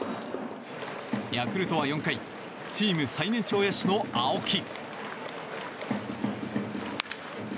ヤクルトは４回チーム最年長野手の青木。